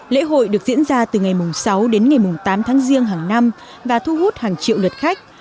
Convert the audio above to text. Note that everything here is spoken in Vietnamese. lễ hội được diễn ra từ ngày sáu đến ngày tám tháng riêng hàng năm và thu hút hàng triệu lượt khách